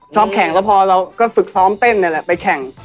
แข่งแล้วพอเราก็ฝึกซ้อมเต้นนี่แหละไปแข่ง